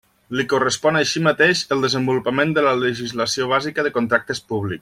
L'hi correspon així mateix el desenvolupament de la legislació bàsica de contractes públics.